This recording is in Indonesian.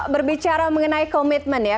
berbicara mengenai komitmen ya